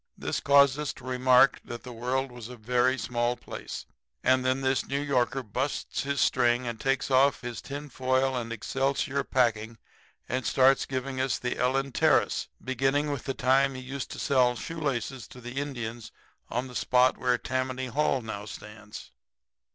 This caused us to remark that the world was a very small place, and then this New Yorker busts his string and takes off his tin foil and excelsior packing and starts in giving us his Ellen Terris, beginning with the time he used to sell shoelaces to the Indians on the spot where Tammany Hall now stands.